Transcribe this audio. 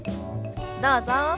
どうぞ。